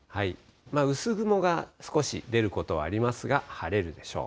薄雲が少し出ることはありますが、晴れるでしょう。